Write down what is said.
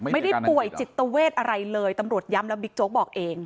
ไม่ได้ป่วยจิตเวทอะไรเลยตำรวจย้ำแล้วบิ๊กโจ๊กบอกเอง